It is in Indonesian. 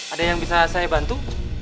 ada yang bisa saya bantu